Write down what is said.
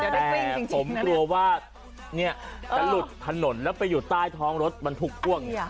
แต่ผมกลัวว่าจะหลุดถนนแล้วไปอยู่ใต้ท้องรถบรรทุกพ่วง